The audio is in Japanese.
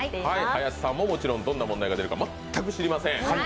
林さんもどんな問題が出るか全く知りません。